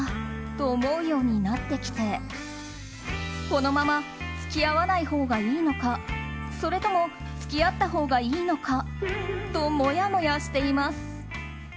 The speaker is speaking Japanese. このまま付き合わないほうがいいのかそれとも付き合ったほうがいいのかともやもやしています。